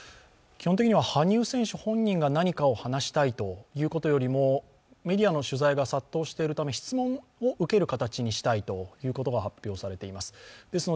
基本的には羽生選手本人が何かを話したいということよりも、メディアの取材が殺到しているため、質問を受ける形にしたいということが発表されています。